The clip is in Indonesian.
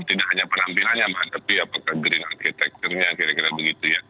tidak hanya penampilannya aman tapi apakah green architecture nya kira kira begitu ya